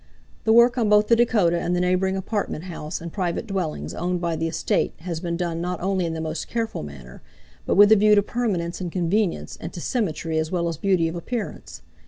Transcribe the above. The work on both the Dakota and the neighboring apartment house and private dwellings owned by the estate has been done not only in the most careful manner, but with a view to permanence and convenience, and to symmetry as well as beauty of appearance.